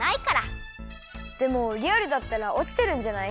でもリアルだったらおちてるんじゃない？